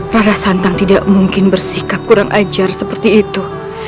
para santang tidak mungkin bersikap kurang ajar seperti itu